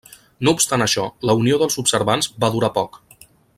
No obstant això, la unió dels observants va durar poc.